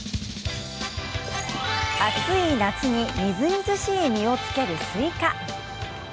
暑い夏にみずみずしい実をつけるスイカ。